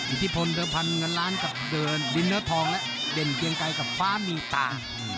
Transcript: อิทธิพลเดิมพันเงินล้านกับเดินดินเนื้อทองและเด่นเกียงไกรกับฟ้ามีตา